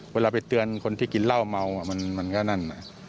เวลาไปเตือนคนที่กินเหล้าเมามันก็นั่น